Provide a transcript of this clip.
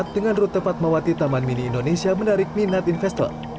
dengan rute fatmawati taman mini indonesia menarik minat investor